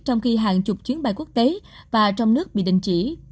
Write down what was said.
trong khi hàng chục chuyến bay quốc tế và trong nước bị đình chỉ